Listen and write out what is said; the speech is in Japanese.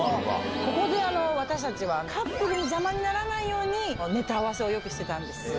ここで私たちはカップルの邪魔にならないようにネタ合わせをよくしてたんです。